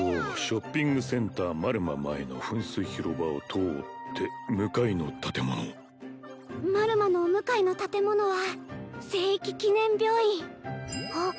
ショッピングセンターマルマ前の噴水広場を通って向かいの建物マルマのお向かいの建物はせいいき記念病院あっ